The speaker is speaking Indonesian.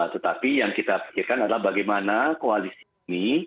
tetapi yang kita pikirkan adalah bagaimana koalisi ini